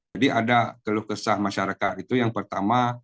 jadi ada keluh kesah masyarakat itu yang pertama